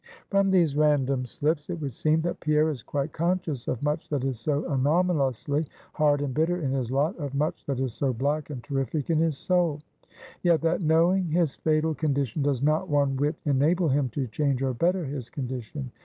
From these random slips, it would seem, that Pierre is quite conscious of much that is so anomalously hard and bitter in his lot, of much that is so black and terrific in his soul. Yet that knowing his fatal condition does not one whit enable him to change or better his condition.